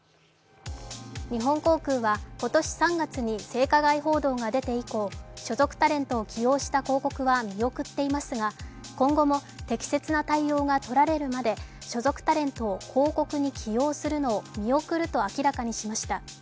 日本航空は今年３月に性加害報道が出て以降所属タレントを起用した広告は見送っていますが今後も適切な対応がとられるまで所属タレントを広告に起用するのを見送ると明らかにしました。